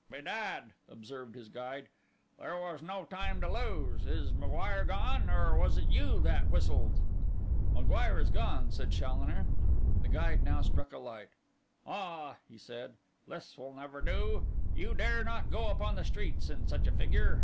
'Bedad,' observed his guide, 'there was no time to lose. Is M'Guire gone, or was it you that whistled? 'M'Guire is gone,' said Challoner. The guide now struck a light. 'Ah,' said he, 'this will never do. You dare not go upon the streets in such a figure.